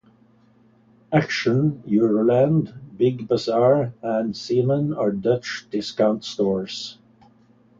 Action, Euroland, Big Bazar and Zeeman are Dutch discount stores.